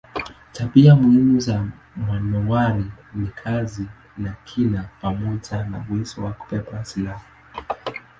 Tabia muhimu za manowari ni kasi na kinga pamoja na uwezo wa kubeba silaha.